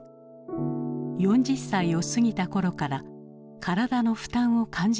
４０歳を過ぎた頃から体の負担を感じるようになった。